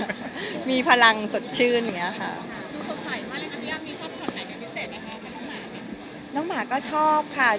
ดูสดใสมากเลยค่ะพี่อ้ามนี่ชอบชอบไหนกันพิเศษนะคะน้องหมาก็ชอบค่ะ